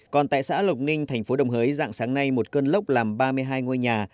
còn tại xã lộc ninh thành phố đồng hới dạng sáng nay một cơn lốc làm ba mươi hai ngôi nhà